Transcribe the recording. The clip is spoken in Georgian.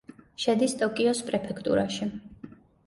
შედის ტოკიოს პრეფექტურაში.